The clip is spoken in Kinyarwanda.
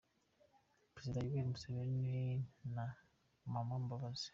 Perezida Yoweli Museveni na Amama Mbabazi